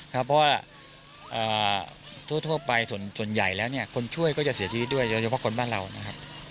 เพราะว่าทั่วไปส่วนใหญ่แล้วเนี่ยคนช่วยก็จะเสียชีวิตด้วยโดยเฉพาะคนบ้านเรานะครับ